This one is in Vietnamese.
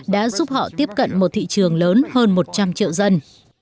đã giúp họ tiếp cận một thị trường lớn hơn một trăm linh triệu dân